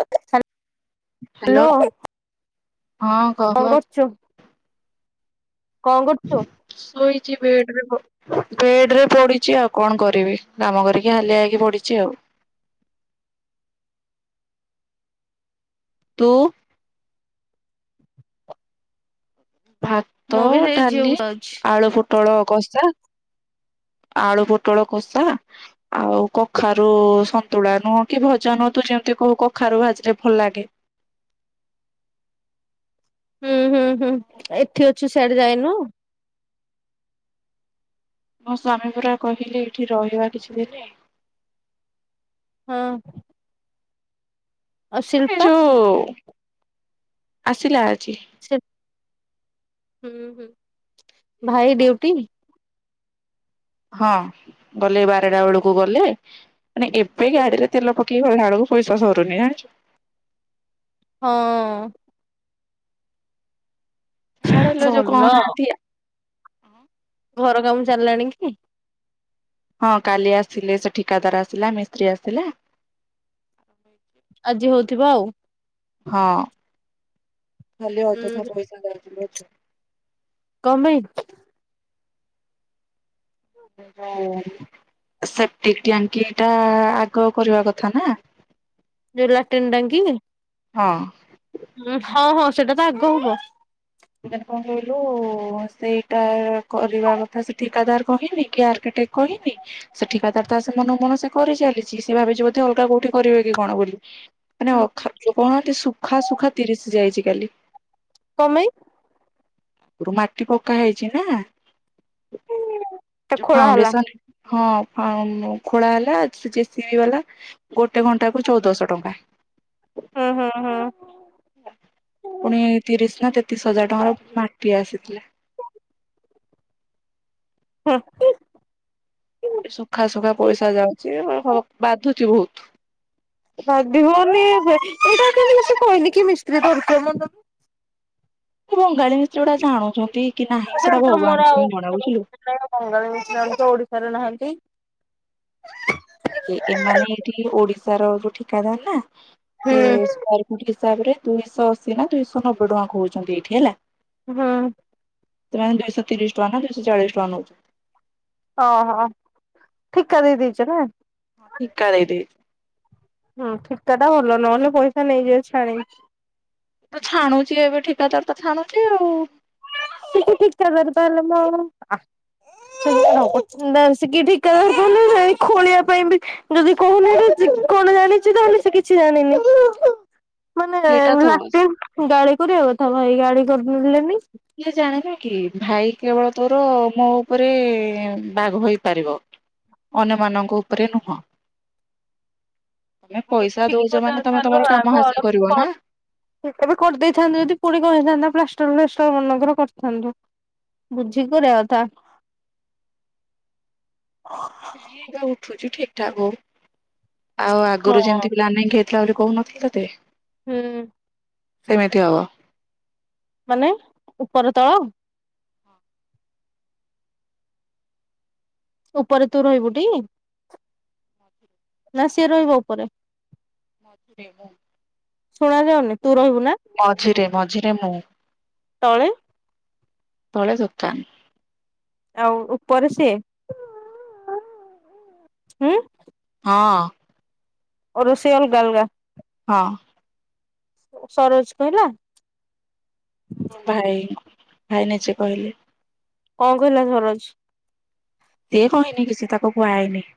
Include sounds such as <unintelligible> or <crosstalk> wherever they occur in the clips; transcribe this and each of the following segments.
ହ <unintelligible> ହ୍ୟାଲୋ। ହଁ, କହ। କଣ କରୁଛୁ କଣ କରୁଛୁ? ଶୋଇଛି ବେଡରେ ବେଡ ରେ ପଡିଛି ଆଉ କଣ କରିବି? କାମ କରିକି ହାଲିଆ ହେଇକି ପଡିଛି ଆଉ। ତୁ? ଭାତ, ମୁଁ ବି ସେଇ ଡାଲି, ଝିଅକୁ ଯାଉଛି। ଆଳୁ ପୋଟଳ କଷା ଆଳୁ ପୋଟଳ କଷା ଆଉ କଖାରୁ ସନ୍ତୁଳା ନୁହଁ କି, ଭଜା ନୁହଁ ତୁ ଯେମତି କହୁ କଖାରୁ ଭାଜିଲେ ଭଲ ଲାଗେ। ହୁଁ ହୁଁ ହୁଁ ଏଠି ଅଛୁ ସଆଡେ ଯାଇନୁ? ମୋ ସ୍ଵାମୀ ପରା କହିଲେ ଏଇଠି ରହିବା କିଛି ଦିନି ହଁ ଆଉ ଶିଳ୍ପା ଯୋଉ ଆସିଲା ଆଜି। ସେ ହୁଁ ହୁଁ ଭାଇ ଡ୍ୟୁଟି ହଁ ଗଲେ ବାରଟା ବେଳୁକୁ ଗଲେ ମାନେ ଏବେ ଗାଡିରେ ତେଲ ପ କିଏ କଲା ବେଳୁକୁ ପଇସା ସରୁନି ଆଁ। ହଁ। ଆଡ ହେଲେ ଯୋଉ ଭଲ କନାଥିଆ ଘର କାମ ଚାଲିଲାଣି କି? ହଁ କାଲି ଆସିଲେ ସେ ଠିକାଦାର ଆସିଲା ମିସ୍ତ୍ରୀ ଆସିଲା। ହଛି ଆଜି ହୋଉଥିବ ଆଉ। ହଁ ଖାଲି ଅଯଥା ହୁଁ ପଇସା ଦାଉଜ କମେଇ ସେଟି ଟ୍ୟାଙ୍କି ଟା ଆଗ କରିବା କଥା ନା। ଯୋଉ ଲାଟିନ୍ ଟାଙ୍କି। ହଁ। ହଁ ହଁ ସେଟା ତ ଆଗ ହବ। ଏଠାରେ କଁ କହିଲୁ ସେଇଟା କରିବା କଥା ସେ ଠିକାଦାର୍ କହିନି କି ଆର୍କିଟେ କହିନି ସେ ଠିକାଦାର୍ ତ ଆସେ ମନୁ ମନ ସେ କରି ଚାଲିଛି ସେ ଭାବିଛି ବୋଧେ ଅଲଗା କୋଉଠି କରିବେ କି କଣ ବୋଲି। ମାନେ ଅଖା କଣ ଟା ସୁଖା ସୁଖା ତିରିଶି ଯାଇଛି କାଲି। କମେଇ ଗୁରୁ ମାଟି ପକା ହେଇଛି ନା ସେଟା ଖୋଳା ହେଲା ଫାଉଣ୍ଡେସନ୍। ହଁ ହଁ ଖୋଳା ହେଲା ସେ ଯେସିବିି ବାଲା ଗୋଟେ ଘଣ୍ଟା କୁ ଚୋଉଦଶ ଟଙ୍କା। ହୁଁ ହୁଁ ପୁଣି ହୁଁ। ତିରିଶି ନା ତେତିଶ୍ ହଜାର୍ ଟଙ୍କାର ମା ପିଆ ଆସିଥିଲା। ହଁ ଉଁ ସୁଖା ସୁୁଖା ପଇସା ଯାଉଚି ବାଧୁଚି ବୋହୁତ୍ ବାଧିବନି ଏଇଟା କିନ୍ତୁ ସେ କହନି କି ମିସ୍ତ୍ରୀ ଧରିକି ଆମ ଏ ବଙ୍ଗାଳି ମିସ୍ତ୍ରି ଗୁଡା ଜାଣୁଛନ୍ତି କି ନାହିଁ ସେଟା ଭଗବାନଙ୍କୁ ହିଁ ଜଣା ବୁଝିଲୁ। ନାଇଁ ବଙ୍ଗାଳି ମିସ୍ତ୍ରି ମାନେ ତ ଓଡିଶାରେ ନାହାନ୍ତି। ଏମାନେେ ଏଠି ଓଡିଶାର ଯୋଉ ଠିକାଦାର୍ ନା ସେ ହୁଁ ବାର ଫୁଟ୍ ହିସାବରେ ଦୁଇଶ ଅସି ଅଶୀ ନା ଦୁଇଶହ ନବେ ଟଙ୍କା କୋହୁଛନ୍ତି ଏଠି ହେଲା। ହଁ। ତ୍ରୟଁ ଦୁଇଶ ତିରିଶ୍ ଟଙ୍କା ନା ଦୁଇଶହ ଚାଳିସ୍ ଟଙ୍କା ନୋଉଚି। ଓ ହୋ ଠିକା ଦେଇ ଦେଇଚ ନାଁ। ହଁ ଠିକା ଦେଇଦେଇ ହଁ ଠିକା ଟା ଭଲ ନହେଲେ ପଇସା ନେଇଯିବ ଛାଣି ତ ଛାଣୁଚି ଏବେ ଠିକାଦାର୍ ତ ଛାଣୁଚି ଆଉ। ଠିକ୍ ଠିକ୍ ଠିକ୍ କେବେରୁ ତାହାଲେ ମୋ ଆ ସିକେ ଠିକା ଧରିଥାନ୍ତେ ଖୋଳିବା ପାଇଁ ବି ଯଦି କହୁନା କଣ ଜାଣିଛି ତାହେଲେ ସେ କିଛି ଜାଣିନି। ମାନେ ସେଇଟା ତ ଲାଟି ଗାଳି କରିବା କଥା ଭାଇ ଗାଳି କରିଲେନି। କିଏ ଜାଣିନ କି ଭାଇ କେବଳ ତୋର ମୋ ଉପରେ ବାଘ ହେଇପାରିବ। ଅନ୍ୟମାନଙ୍କ ଉପରେ ନୁହଁ। <inaudible> ତମେ ପଇସା ବୁଝିକି ଦଉଚ କରିବାର ମାନେ ତମେ କଥା ତମର କାମ ହାସଲ କରିବ ନା। ହେତବଳେ କରିଦେଇଥାନ୍ତୁ ଯଦି ପୁଣି କଣ ହେଇଥାନ୍ତା ପ୍ଲାଷ୍ଟର ଫ୍ଲାଷ୍ଟର ମନେକର କରଥାନ୍ତୁ। ବୁଝିିକି କରିବା କଥା। ଏଟା ଉଠୁଚି ଠିକ୍ ଠାକ୍ ହୋଉ ଆଉ ହଁ। ଆଗୁରୁ ଯେମତି ପିଲାମାନେ ଘେ ଥିଲା ବୋଲି କହୁନଥିଲି ତତେ? ହୁଁ। ସେମିତି ହବ। ମାନେ ଉପର ତଳ? ଉପରେ ତୁ ରହିବୁଟି? <inaudible> ନା ସିଏ ରହିବ ଉପରେ? ମଝିରେ ମୁଁ। ଶୁଣା ଯାଉନି ତୁ ରହିବୁ ନା? ମଝିରେ ମଝିରେ ମୁଁ ତଳେ ତଳେ ଦୋକାନ୍। ଆଉ ଉପରେ ସିଏ ଉଁ? ହଁ। ଓ ରୋଷେଇ ଅଲଗା ଅଲଗା? ହଁ। ସରୋଜ୍ କହିଲା? ମୋ ଭାଇ ଭାଇ ନିଜେ କହିଲେ। କଣ କହିଲା ସରୋଜ? ସିଏ କହିନି କିଛି ତାକୁ କୁହାହେଇନି।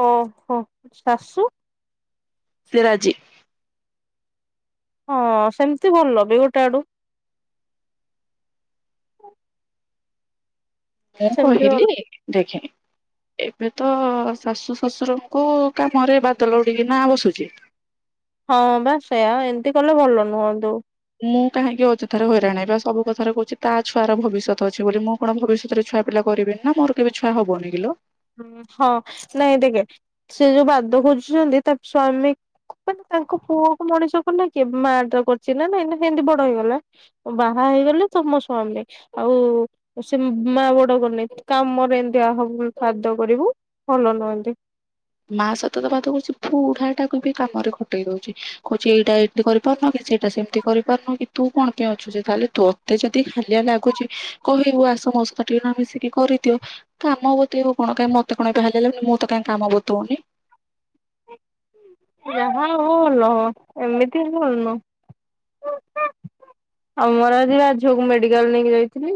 ଓହୋ ଆଚ୍ଛା ଶାଶୁ? ସିଏ ରାଜି। ହଁ ସେମତି ଭଲ ବି ଗୋଟେ ଆଡୁ। ମୁଁ ସେମିତି ଭଲ କହିଲି ଦେଖେ। ଏବେ ତ ଶାଶୁ ଶ୍ୱଶୁରଙ୍କୁ କାମରେ ବାଦଲ ଉଡିକିନା ବସୁଛି। ହଁ ବା ସେଇୟା ଏମତି କଲେ ଭଲ ନୁହନ୍ତୁ। ମୁଁ କାହିଁକି ଅଯଥାରେ ହଇରାଣ ହେବି ଆଉ ସବୁ କଥାରେ କହୁଛି ତା ଛୁଆର ଭବିଷ୍ୟତ ଅଛି ବୋଲି ମୁଁ। କଣ ଭବିଶ୍ୱତରେ ଛୁଆ ପିଲା କରିବିନି ନା ମୋର କେବେ ଛୁଆ ହବନି କିଲୋ। ହୁଁ ହଁ ନାଇଁ ଦେକେ ସେ ଯୋଉ ବାଦ ଖୋଜୁଛନ୍ତି ତା ସ୍ଵାମୀ। ମାନେ ତାଙ୍କ ପୁଅକୁ ମଣିଷ କଲା କିଏ ମା ତ କରଚି ନା ନାଇଁ ନା ହେନ୍ତି ବଡ ହେଇଗଲା। ବାହା ହେଇଗଲେ ତମ ସ୍ୱାମୀ। ଆଉ ସେ ମା ବଡ କରିନାଇଁ କାମରେ ଏନ୍ତିଆ ହବୁନ୍। ଖାଦ କରିବୁ ଭଲ ନୁହନ୍ତି। ମା ସହିତ ତ ବାଦ କରୁଛି ବୁଢାଟାକୁ ବି କାମରେ ଖଟେଇ ଦଉଛି କହୁଛି ଏଇଟା ଏଇ ଟି କରିପାରୁନ କି ସେଇଟା ସେମତି କରିପାରୁନ କି ତୁ କଣ କିଆଁ ଅଛୁ ଯେ ତାହେଲେ ତୋତେ ଯଦି ହାଲିଆ ଲାଗୁଚି। କହିବୁ ଆସ ମୋ ସହିତ ଟିକେ ନା ମିଶିକି କରିଦିଅ। କାମ ବତେଇବ କଣ କାଇଁ ମତେ କଣ ଏବେ ହାଲିଆ ଲାଗୁନି ମୁଁ ତ କାଇଁ କାମ ବତଉନି। ଯାହା ହବ ଭଲ ଏମିତି କିନ୍ତୁ ଭଲନୁହଁ। ଆମର ଆଜି ରାଜ ଝିଅକୁ ମୁଁ ମେଡିକାଲ ନେଇକି ଯାଇଥିଲି।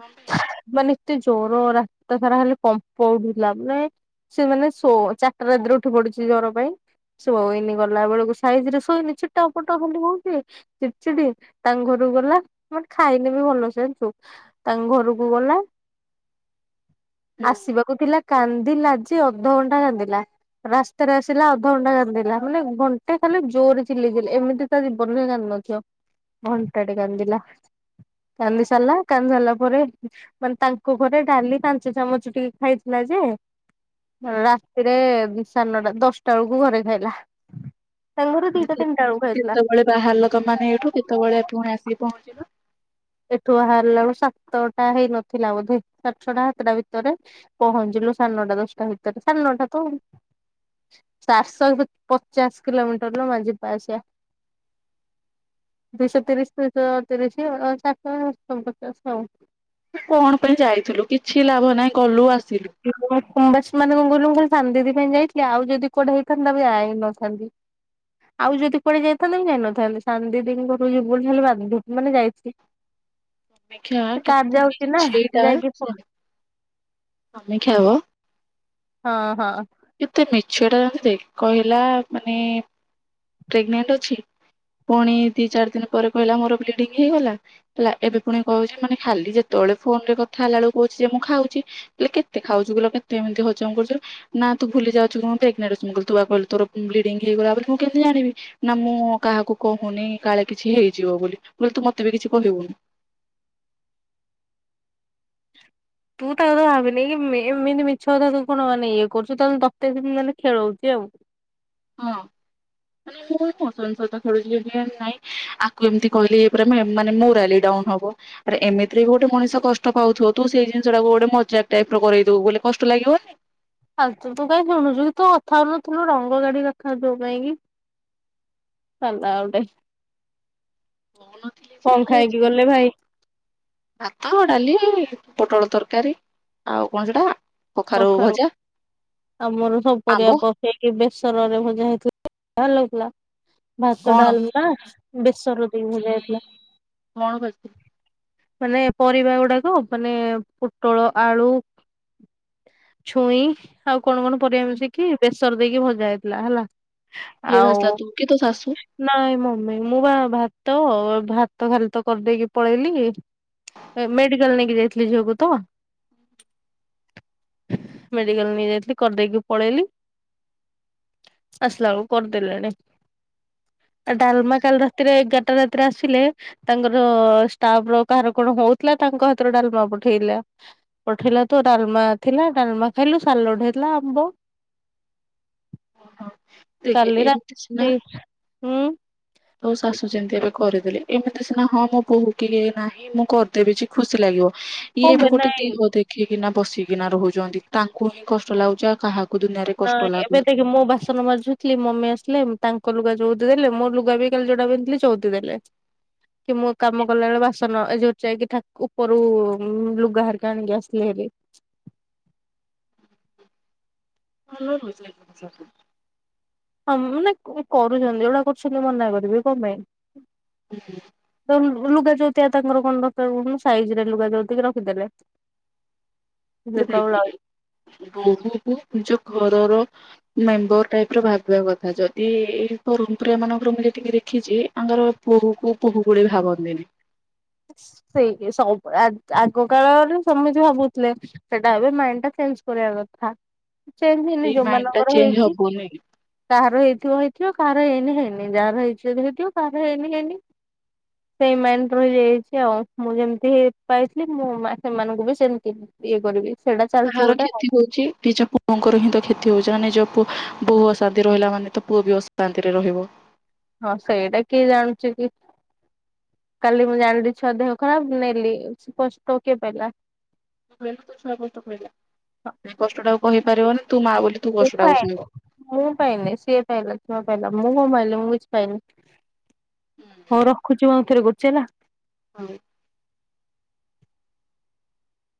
ହଁ <unintelligible> ମାନେ ଏତେ ଜ୍ଵର ରାତଟା ସାରା ଖାଲି କମ୍ପଉଢୁଥିଲା ମାନେ ସେ ମାନେ ସୋ ଚା ରାତିରୁ ଉଠି ପଡିଛି ଜ୍ୱର ପାଇଁ। ଏଇନି ଗଲା ବେଳକୁ ସାଇଜ ରେ ଶୋଇନି ଛିଟ ପଟ ଖାଲି ହ ହଉଛି। ଚିଡଚିଡି ତାଙ୍କ ଘରୁ ଗଲା ମାନେ ଖାଇନିବି ଭଲ ସେ ଜାଣିଛୁ। ତାଙ୍କ ଘରକୁ ଗଲା। ଆସିବାକୁ ଥିଲା କାନ୍ଦିଲା ଯେ ଅଧଘଣ୍ଟା କାନ୍ଦିଲା। ରାସ୍ତାରେ ଆସିଲା ଅଧଘଣ୍ଟା କାନ୍ଦିଲା ମାନେ ଘଣ୍ଟେ କାନ୍ଦିଲା ଜୋରରେ ଚିଲେଇ ଚିଲେଇ ଏମିତି ତା ଜୀବନରେ ନ୍କାନ୍ଦି ନଥିବ ଘଣ୍ଟାଟେ କାନ୍ଦିଲା। କାନ୍ଦି ସାରିଲା କାନ୍ଦି ସାରିଲା ପରେ ମାନେ ତାଙ୍କ ଘରେ ଡାଲି ପାଞ୍ଚ ଚାମଚ ଟିକେ ଖାଇଥିଲା ଯେ ରାତିରେ ସାଢେନଟା ଦଶଟା ବେଳକୁ ଘରେ ଖାଇଲା। ତାଙ୍କ ଘରେ ମାନେ ଦିଟା ତିନିଟା ବେଳକୁ ଖାଇଥିଲା। କେତେବେଳେ ବାହାରିଲ ତମେମାନେ ଏଇଠୁ କେତେବେଳେ ପୁଣି ଆସିକି ପହଞ୍ଚିଲ। ଏଠୁ ବାହାରିଲା ବେଳକୁ ସାତଟା ହେଇନଥିଲା ବୋଧେ ସାଢ଼େ ଛଅଟା ସାତଟା ଭିତରେ ପହଞ୍ଚିଲୁ ସାଢେନଅଟା ଦଶଟା ଭିତରେ ସାଢ଼େ ନଅଟା ତ ଚାରିଶହ ପଚାଶ କିଲୋମିଟର ଲୋମା ଯିବା ଆସିବା। ଦୁଇଶହତିରିଶ ଦୁଇଶତିରିଶ ଚାରିଶହ ପଚାଶ ଆଉ କଣ ପାଇଁ ଯାଇଥିଲୁ କିଛି ଲାଭ ନାହିଁ ଗଲୁ ଆସିଲୁ। କୁମ୍ଭଶ୍ରୀ ମାନେ ଗୁଙ୍ଗୁ ସାନ୍ଦଦି ପାଇଁ ଯାଇଥିଲି ଆଉ ଯଦି କୁଆଡେ ହେଇଥାନ୍ତା ଯାଇନଥାନ୍ତି। ଆଉ ଯଦି କୁଆଡେ ଯାଇଥାନ୍ତେ ମୁଁ ଯାଇନଥାନ୍ତି ସନ୍ଦିଦିଙ୍କ ଘରୁକୁ ଯିବୁ ବୋଲି ଭାବିଲି ହେଲେ ବା ମାନେ ଯାଇଛି। ସମୀକ୍ଷା ସେ କି କାର ଯାଉଛି ନା ଛିଟା ଯାଇକି ହଁ ସମମୀକ୍ଷାବା ହଁ ହଁ। ଏତେ ମିଛଟା ଜଣ ଦେ କହିଲା ମାନେ ପ୍ରେଗନଟ ଅଛି। ପୁଣି ଦି ଚାରି ଦିନ ପରେ କହିଲା ମୋର ବ୍ଲିଡିଙ୍ଗ ହେଇଗଲା। ହେଲା ଏବେ ପୁଣି କହୁଛି ମାନେ ଖାଲି ଯେତେବେଳେ ଫୋନ ରେ କଥା ହେଲା ବେକୁ କହୁଛି ଯେ ମୁଁ ଖାଉଛି। ହେଲେ କେତେ ଖାଉଛୁ ବିଲ କେତେ ଏମିତି ହଜମ କରୁଛୁ। ନା ତୁ ଭୁଲି ଯାଉୁଁ ପ୍ରେଗନଣ୍ଟ ଅଛି କୁ କହିଲ ତୋର ବ୍ଲିଡିଙ୍ଗ ହେଇଗଲା ପରେ ମୁଁ କେମିତି ଜାନିବି। ନା ମୁଁ କାହାକୁ କହୁନି କାଳେ କିଛି ହେଇଯିବ ବୋଲି ବୋ ତୁ ମତେ ବି କିଛି କହିବୁନି। ତୁ ତାକୁ ତ ଭାବିନି କି ଏମିତି ମିଛ କଥାକୁ କଣ ମାନେ ଇଏ କରୁ ତାହେଲେ ତତେ ଦ ମାନେ ଖେଳଉଛି ଆଉ। ହଁ ମାନେ ମୁଁତ ଖେୁଛି ନାଇଁ ଆକୁ ଏମିତି କହିଲି ମାନେ ମୋ ରାଲି ଡାଉନ ହବ। ଆରେ ଏମିତିରେ ବି ଗୋଟେ ମଣିଷ କଷ୍ଟ ପାଉଥିବ ତୁ ସେଇ ଜିନିଷ ଟାକୁ ଗୋଟେଜାକ ଟାଇପ ର କଇଦବୁ ବୋ କଷ୍ଟ ଲାଗିବନି। ଆା ତୁ ତୁ କାଇହିଁ ଶୁଣୁଛୁ କି ତୁ କଥା ହଉନଥିଲୁ ରଙ୍ଗ ଗାଡିୀ ରଖା ଯୋଉ ପାଇଁ କି ଚାଲା ଆଟେ କହୁନଥିଲି ଯେ କଣ ଖାଇକି ହେଲେ ଗଲେ ଭାଇ। ଭାତ ଡାଲି ପୋଟଳ ତରକାରୀ ଆଉ କଣ ସେଟା କଖାରୁ ଆମର ସ ଆମ୍ବ ପରିବ ବେସରରେ ମଜା ହେଇଥିଲା ଲଥିଲା ଭାତ କଣ ଡାଲ ହ ବେଶର ଦେଇ ହେ ଯାଇଥିଲା। କଣ ବ ମାନେ ପରିବା ଗୁଡାକ ମାନେ ପୋଟଳ ଆଳୁ ଛୁଇଁ ଆଉ କଣ କଣ ପରିବା ମିଶିକି ବେସର ଦେଇକି ଭଜା ହେଇଥିଲା ହେଲା। ହେ ଆଉ ଭସଲା ତୁ କି ତୁ ସ ଆସୁ <unintelligible> ନାଇଁ ମମି ମୁଁ ବା ଭାତ ଭାତ ଖାଲି ତ କରିଦେଇକି ପଳେଇଲି ମେଡିକାଲ ନେଇକି ଯାଇଥିଲି ଝିଅକୁ ତ। ମେଡିକାଲ ନେଇ ଯାଇଥିଲି କରିଦେଇକି ପଳେଇଲି। ଆସିଲା ବେଳକୁ କରିଦେଲେଣି ଆ ଡାଲମା କାଲି ରାତିରେ ଏଗାରଟା ରାତି ତ୍ରା ଆସିଲେ ତାଙ୍କର ଷ୍ଟାଫ ର କାହାର କଣ ହଉଥିଲା ତାଙ୍କ ହାତରେ ଡାଲମା ପଠେଇଲା। ପଠେଇଲା ତ ଡାଲମା ଥିଲା ଡ଼ାଲମା ଖାଇଲୁ ସାଲଟ ହେଇଥିଲା ଆମ୍ବ। ହଁ ଦେଖେ କାଲି ଏମିତି ସିନା ରାତି ହୁଁ। ତୋ ଶାଶୁ ଯେମିତି ଏବେ କରିଦେଲେ ଏମିତି ସିନା ହଁ ମୋ ବୋହୁ କି ନାହିଁ ମୁଁ କରିଦେବି କି ଖୁସି ଲାଗିବ। ହଁ ଇଏ ବେ ବି ଗୋଟେ ନାଇଁ ଦେହ ଦେଖିଇକିନା ବସିକିନା ରହୁଛନ୍ତି ତାଙ୍କୁ ହିଁ କଷ୍ଟ ଲାଗୁଛି ଆଉ କାହାକୁ ଦୁନିଆରେ ହଁ କଷ୍ଟ ଏବେ ଲାଗୁନି। ଦେଖେ ମୋ ବାସ ବାସନ ମାଜୁଥିଲି ମମି ଆସିଲେ ତାଙ୍କ ଲୁଗା ଯୋଉଦି ଦେଲେ ମୋର ଲୁଗା ବି କାଲି ଯୋଉଟା ପିନ୍ଧି ଥିଲି ଚଉଦି ଦେଲେ। କି ମୁଁ କାମ କଲା ବେଳେ ବାସନ ଏ ଯୋଉ ଯାଇକି ଠାକୁ ଉପରୁ ଲୁଗା ହାରିକା ଆଣିକି ଆସିଲେ ଭାରି। <unintelligible> ହଁ ମାନେ କରୁଛନ୍ତି ଏଗୁଡା କରୁଛନ୍ତି ମନା କରିବି କମ ପାଇଁ। <unintelligible> ତ ଲୁଗା ଯଉତିଆ ତାଙ୍କର କଣ ଦରକାର କହୁନୁ ସାଇଜ ରେ ଲୁଗା ଯଉତିକି ରଖିଦେଲେ। ଲୁଗା ବ୍ଲାଉଜ <unintelligible> ବୋହୁ କୁ ନିଜ ଘରର ମେମ୍ବର ଟାଇପ ର ଭାବିବା କଥା ଯଦି <unintelligible> ମାନଙ୍କର ମୁଁ ଯେତିକି ଦେଖିଛି ଆଙ୍କର ବୋହୁ କୁ ବୋହୁ ଭଳି ଭାବନ୍ତିନି। ସେଇ ସବୁ ଆଗ ଆଗ କାଳରେ ସମିତି ଭାବୁଥିଲେ ସେଟା ଏବେ ମାଇଣ୍ଡ ଟା ଚେଞ୍ଜ କରିବା କଥା। ଚେଞ୍ଜ ହେଇନି ଏଇ ଯୋଉ ମାଇଣ୍ଡ ଟା ମାନଙ୍କର ଚେଞ୍ଜ ହେଇଚି। ହବନି। କାହାର ହେଇଥିବ ହେଇଥିବ କାହାର ହେଇନି ହେଇନି ଯାହାର ହେଇଛି ଯଦି ହେଇଥିବ କାହାର ହେଇନି ହେଇନି। ସେଇ ମାଇଣ୍ଡ ରହିଯା ଚି ଆଉ ମୁଁ ଯେମିତି ପାଇଥିଲି ମୁଁ ସେମାନଙ୍କୁ ବି ସେମିତି ଇଏ କରିବି। ସେଇଟା ଚାଲିଛି ତାହାର ଗୋଟେ ଆଉ କ୍ଷତି ହଉଚି ଚା ତାଙ୍କର ହିଁ ତ କ୍ଷତି ହଉଛି ମାନେ ପୁ ବୋହୁ ଅଶାନ୍ତି ରହିଲା ମାନେ ତ ପୁଅ ବି ଅଶାନ୍ତିରେ ରହିବ। ହଁ ସେଇଟା କି ଜାଣୁଚି କି। କାଲି ମୁଁ ଜାଣିଲି ଛୁଆ ଦେହ ଖରାପ ନେଲି କଷ୍ଟ କିଏ ପାଇଲା। କୁହନୁ ତୋ ଛୁଆ କଷ୍ଟ ପାଇଲା ସେ କଷ୍ଟ ଟା କହିପାରିବନି ତୁ ମା ବୋଲି। ତୁ ମୁଁ କଷ୍ଟଟାକୁ ପାଇନି ମୁଁ ପାଇନି ସିଏ ପାଇଲା ଛୁଆ ପାଇଲା ମୁଁ କଣ ପାଇଲି ମୁଁ କିଛି ପାଇନି। ହଁ ସହିବୁ। ରଖୁଛି ମୁଁ ଆଉ ଥରେ କରୁଚି ହେଲା। ହଉ।